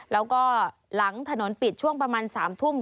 แล้วก็หลังถนนปิดช่วงประมาณ๓ทุ่ม